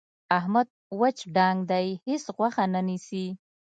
احمد وچ ډانګ دی. هېڅ غوښه نه نیسي.